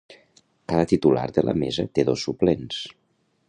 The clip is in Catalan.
Cada titular de la mesa té dos suplents.